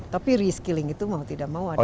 tapi reskilling itu mau tidak mau ada